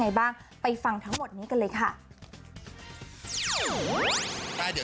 ยังไงบ้างไปฟังทั้งหมดนี้กันเลยค่ะ